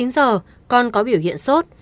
một mươi chín giờ con có biểu hiện sốt